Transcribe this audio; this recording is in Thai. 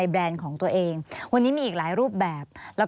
มีความรู้สึกว่ามีความรู้สึกว่า